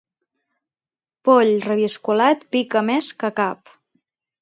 Poll reviscolat pica més que cap.